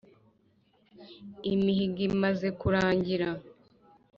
imihigo imaze kurangira